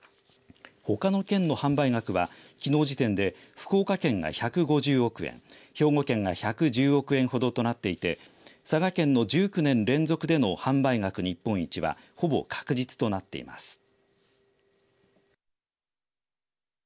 ほかの県の販売額はきのう時点で福岡県が１５０億円兵庫県が１１０億円ほどとなっていて佐賀県の１９年連続での販売額日本一はほぼ確実となっています。